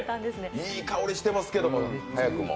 いい香りしていますけど、早くも。